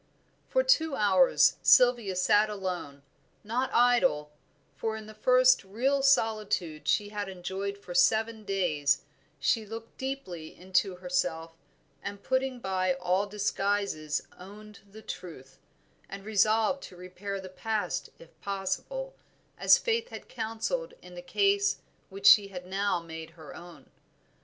For two hours Sylvia sat alone, not idle, for in the first real solitude she had enjoyed for seven days she looked deeply into herself, and putting by all disguises owned the truth, and resolved to repair the past if possible, as Faith had counselled in the case which she had now made her own.